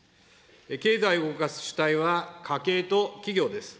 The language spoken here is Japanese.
経済を動かす主体は家計と企業です。